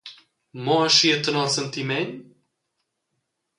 Mo aschia tenor sentiment?